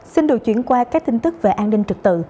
xin được chuyển qua các tin tức về an ninh trực tự